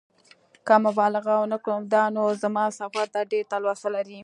که مبالغه ونه کړم دا نو زما سفر ته ډېره تلوسه لري.